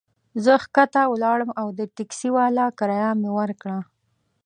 زه کښته ولاړم او د ټکسي والا کرایه مي ورکړه.